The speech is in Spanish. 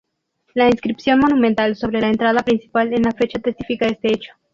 La inscripción monumental sobre la entrada principal en la fecha testifica este hecho.